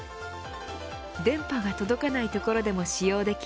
電波が届かない所でも使用でき